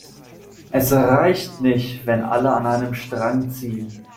Es reicht nicht, wenn alle an einem Strang ziehen.